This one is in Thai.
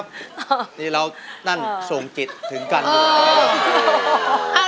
เดี๋ยวเดี๋ยว